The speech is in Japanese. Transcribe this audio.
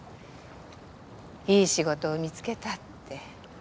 いい仕事を見つけたって。